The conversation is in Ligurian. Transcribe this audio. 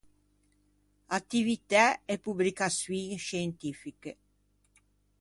Attivitæ e pubricaçioin scientifiche.